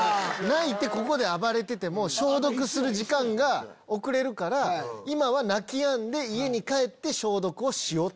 泣いてここで暴れてても消毒する時間が遅れるから今は泣きやんで家に帰って消毒をしよう！